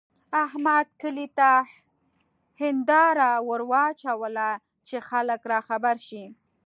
احمد کلي ته هېنداره ور واچوله چې خلګ راخبر شي.